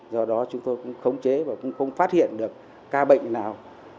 do đó chúng tôi cũng khống chế và cũng không phát hiện được ca bệnh nào